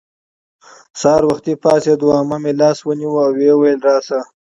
سهار وختي پاڅېدو. عمه مې لاس ونیو او ویې ویل:راشه